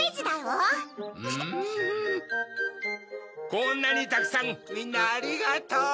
こんなにたくさんみんなありがとう！